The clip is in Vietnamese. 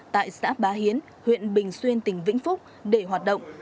tại xã bá hiến huyện bình xuyên tỉnh vĩnh phúc để hoạt động